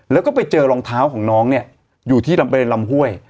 แล้วก็ไปเจอรองเท้าของน้องเนี่ยอยู่ที่ลำห้วย